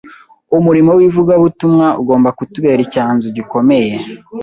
umurimo w’ivugabutumwa ugomba kutubera icyanzu gikomeye